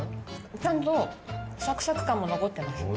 ちゃんとサクサク感も残ってます。